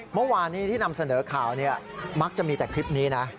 เมื่อวานนี้ที่นำเสนอข่าวมักจะมีแต่คลิปนี้นะ